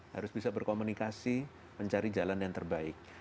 harus bisa berkomunikasi mencari jalan yang terbaik